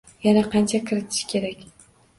Yana qancha kitish kerak?